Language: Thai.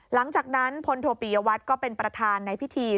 หลังจากนั้นพลโทปิยวัตรก็เป็นประธานในพิธี